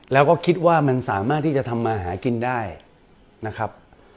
แล้วก็คิดว่ามันสามารถที่จะทำมาหากินได้นะครับ